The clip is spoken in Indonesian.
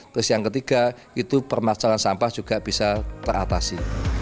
terus yang ketiga itu permasalahan sampah juga bisa teratasi